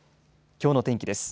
きょうの天気です。